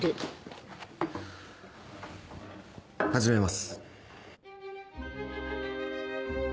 始めます。